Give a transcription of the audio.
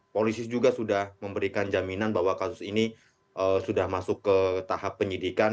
polisi juga sudah memberikan jaminan bahwa kasus ini sudah masuk ke tahap penyidikan